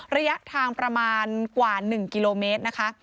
ระยะทางประมาณกว่า๑กิโลเมตรนะคะ